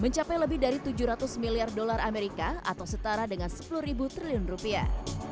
mencapai lebih dari tujuh ratus miliar dolar amerika atau setara dengan sepuluh triliun rupiah